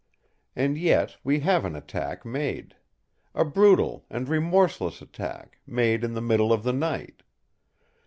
And yet we have an attack made; a brutal and remorseless attack, made in the middle of the night.